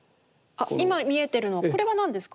あっ今見えてるのこれは何ですか？